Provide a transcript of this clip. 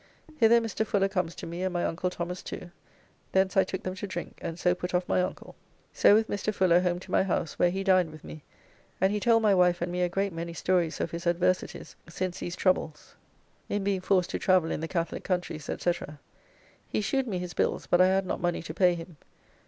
Hither Mr. Fuller comes to me and my Uncle Thomas too, thence I took them to drink, and so put off my uncle. So with Mr. Fuller home to my house, where he dined with me, and he told my wife and me a great many stories of his adversities, since these troubles, in being forced to travel in the Catholic countries, &c. He shewed me his bills, but I had not money to pay him.